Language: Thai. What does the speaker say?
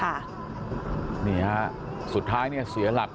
วันนี้เราจะมาเมื่อไหร่